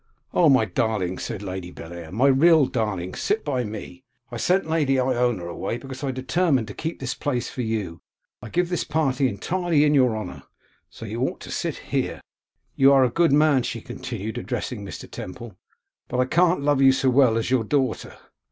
'Oh, my darling!' said Lady Bellair, 'my real darling! sit by me. I sent Lady Ionia away, because I determined to keep this place for you. I give this party entirely in your honour, so you ought to sit here. You are a good man,' she continued, addressing Mr. Temple; 'but I can't love you so well as your daughter.